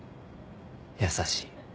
優しい。